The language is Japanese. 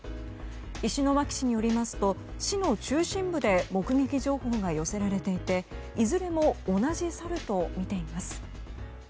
石巻市によりますと市の中心部で目撃情報が寄せられていていずれも同じサルとみています。